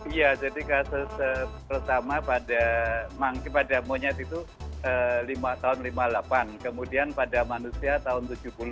iya jadi kasus pertama pada monkey pada monyet itu tahun lima puluh delapan kemudian pada manusia tahun tujuh puluh